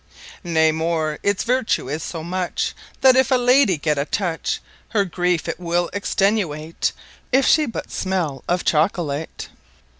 Nay more: It's vertue is so much, That if a Lady get a Touch, Her griefe it will Extenuate, If she but smell of Chocolate.